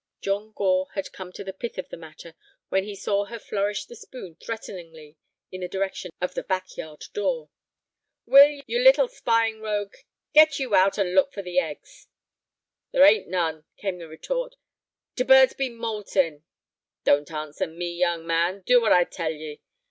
John Gore had come to the pith of the matter when he saw her flourish the spoon threateningly in the direction of the back yard door. "Will, you little spying rogue, get you out and look for the eggs." "There ain't none," came the retort; "t' birds be moultin'." "Don't answer me, young man; do what I tell ye."